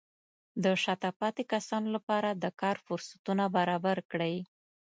د شاته پاتې کسانو لپاره د کار فرصتونه برابر کړئ.